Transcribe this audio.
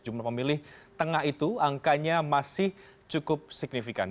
jumlah pemilih tengah itu angkanya masih cukup signifikan